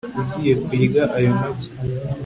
ugiye kurya ayo magi